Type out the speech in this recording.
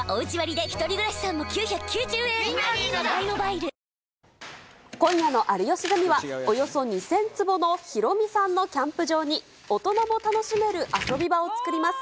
わかるぞ今夜の有吉ゼミは、およそ２０００坪のヒロミさんのキャンプ場に、大人も楽しめる遊び場を作ります。